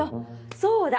そうだ！